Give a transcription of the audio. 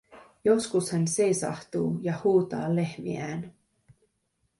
Joskus hän seisahtuu ja huutaa lehmiään.